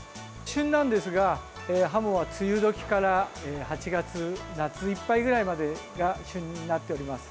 旬なんですがハモは、梅雨時から８月夏いっぱいぐらいまでが旬になっております。